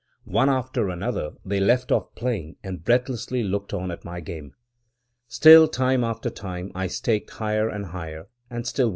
One after another they left off playing, and breathlessly looked on at my game. Still, time after time, I staked higher and higher, and still won.